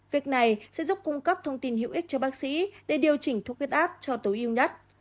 việc này sẽ giúp cung cấp thông tin hữu ích cho bác sĩ để điều chỉnh thuốc huyết áp cho tối ưu nhất